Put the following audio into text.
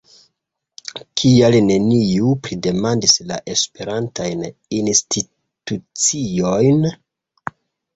Kial neniu pridemandis la esperantajn instituciojn?